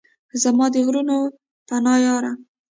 زما د غرونو پناه یاره!